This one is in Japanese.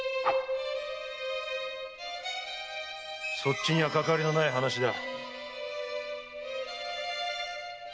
そっちにはかかわりのない話だ。